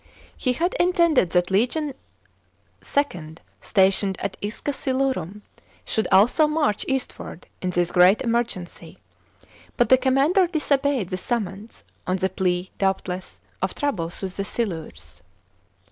He had intended that legion II., stationed at Isca Silurum, should also march eastward in this great emergency, but the commander disobeyed the summons, on the plea, doubtless, of troubles with the Silures.